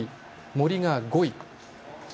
森が５位。